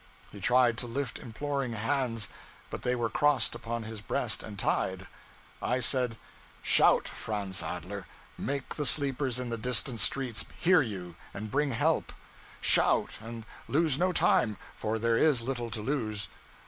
He tried to lift imploring hands, but they were crossed upon his breast and tied. I said 'Shout, Franz Adler; make the sleepers in the distant streets hear you and bring help. Shout and lose no time, for there is little to lose.